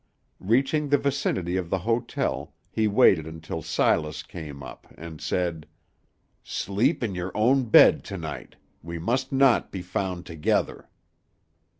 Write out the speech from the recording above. Reaching the vicinity of the hotel, he waited until Silas came up, and said, "Sleep in your own bed to night; we must not be found together."